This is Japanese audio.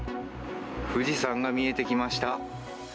富士山が見えてきました。